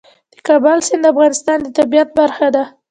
د کابل سیند د افغانستان د طبیعت برخه ده.